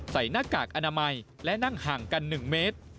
หน้ากากอนามัยและนั่งห่างกัน๑เมตร